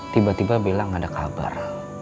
tiba tiba bella gak ada kabar